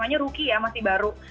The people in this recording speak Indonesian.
namanya rookie ya masih baru